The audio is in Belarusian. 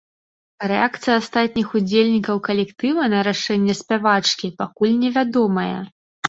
Рэакцыя астатніх удзельнікаў калектыва на рашэнне спявачкі пакуль невядомая.